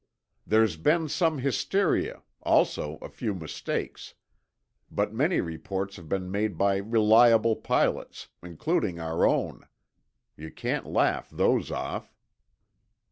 "There's been some hysteria—also a few mistakes. But many reports have been made by reliable pilots, including our own. You can't laugh those off."